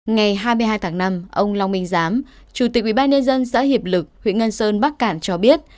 ngày hai mươi hai tháng năm ông long minh giám chủ tịch ubnd xã hiệp lực huyện ngân sơn bắc cạn cho biết